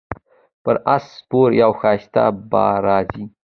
پر اس سپور یو ښایسته به راځي